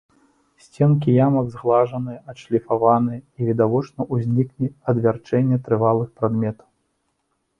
Сценкі ямак загладжаныя, адшліфаваныя і, відавочна, узніклі ад вярчэння трывалых прадметаў.